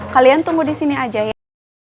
kalian tunggu di sini aja ya